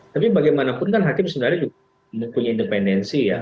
tapi bagaimanapun hakim sebenarnya juga punya independensi